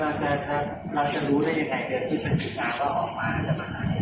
แล้วเราจะรู้ได้อย่างไหนเดี๋ยวที่สัก๑๐นาทีเราออกมาจะมาไหนนะ